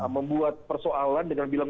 membuat persoalan dengan bilang